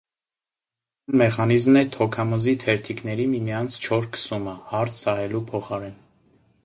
Հիմնական մեխանիզմն է թոքամզի թերթիկների միմյանց չոր քսումը, հարթ սահելու փոխարեն։